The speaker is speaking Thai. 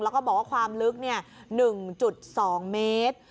แล้วก็บอกว่าความลึก๑๒เมตร